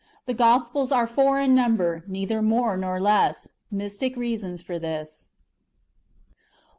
The Gosjjels are four in numhery neither more nor less. Mystic reasons for this. 1.